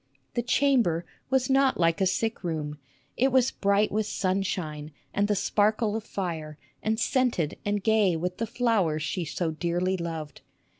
The chamber was not like a sick room. It was bright with sunshine and the sparkle of fire, and scented and gay with the flowers she so dearly loved.